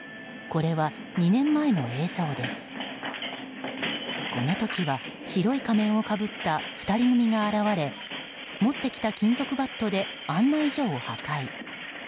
この時は、白い仮面をかぶった２人組が現れ持ってきた金属バットで案内所を破壊。